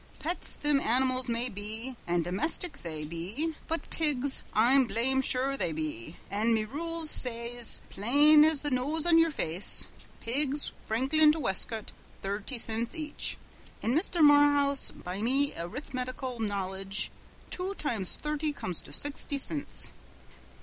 Pets thim animals may be, an' domestic they be, but pigs I'm blame sure they do be, an' me rules says plain as the nose on yer face, 'Pigs Franklin to Westcote, thirty cints each.' An' Mister Morehouse, by me arithmetical knowledge two times thurty comes to sixty cints."